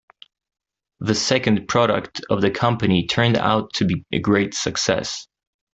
The second product of the company turned out to be a great success.